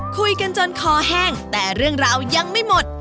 คุยกันจนคอแห้งแต่เรื่องราวยังไม่หมด